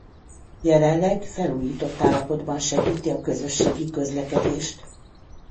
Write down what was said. Jelenleg felújított állapotban segíti a közösségi közlekedést.